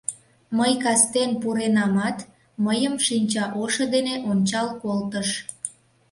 Мый кастен пуренамат, мыйым шинчаошо дене ончал колтыш.